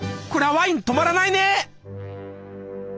こりゃワイン止まらないね！